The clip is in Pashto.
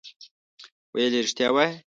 ویل یې رښتیا وایې.